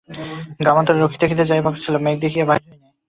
গ্রামাস্তরে রোগী দেখিতে যাইবার কথা ছিল, মেঘ দেখিয়া বাহির হয় নাই।